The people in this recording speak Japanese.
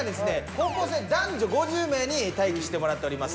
高校生男女５０名に待機してもらっております。